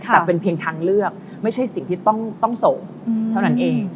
แต่เป็นเพียงทางเลือกไม่ใช่สิ่งที่ต้องส่งเท่านั้นเอง